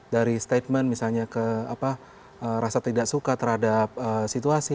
dari statement misalnya ke rasa tidak suka terhadap situasi